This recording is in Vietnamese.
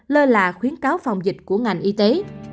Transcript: lơ là khuyến cáo phòng dịch của ngành y tế